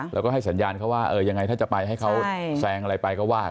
และก็ให้สัญญาณว่าเอออย่างไรถ้าจะไปให้เขาแซงอะไรไปก็ว่ากันไป